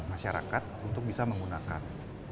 masyarakat untuk bisa menggunakan